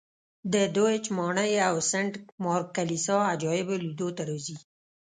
د دوج ماڼۍ او سنټ مارک کلیسا عجایبو لیدو ته راځي